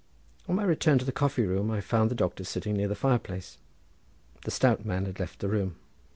On my return to the coffee room I found the doctor sitting near the fire place. The stout man had left the room.